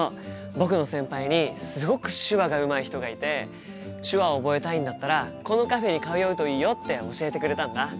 僕の先輩にすごく手話がうまい人がいて手話を覚えたいんだったらこのカフェに通うといいよって教えてくれたんだ。